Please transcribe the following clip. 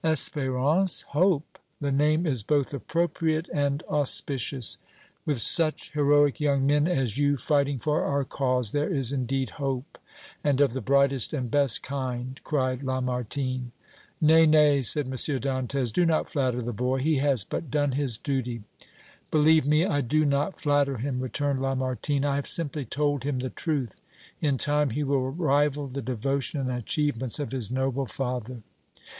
"Espérance hope the name is both appropriate and auspicious; with such heroic young men as you fighting for our cause there is, indeed, hope, and of the brightest and best kind!" cried Lamartine. "Nay, nay," said M. Dantès, "do not flatter the boy; he has but done his duty." "Believe me, I do not flatter him," returned Lamartine; "I have simply told him the truth; in time he will rival the devotion and achievements of his noble father!"